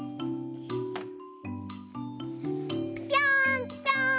ぴょんぴょん！